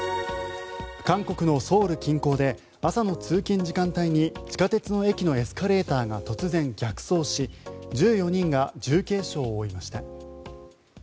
韓国のソウル近郊で朝の通勤時間帯に地下鉄の駅のエスカレーターが突然逆走し１４人が重軽傷を負いました。